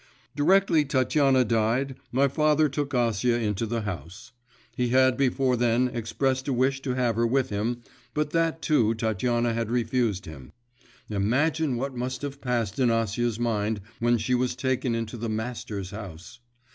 'Directly Tatiana died, my father took Acia into his house. He had before then expressed a wish to have her with him, but that too Tatiana had refused him. Imagine what must have passed in Acia's mind when she was taken into the master's house.